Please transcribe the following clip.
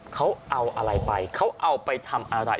เขาเอาอะไรไปเขาเอาไปทำอะไร